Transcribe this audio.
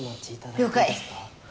了解。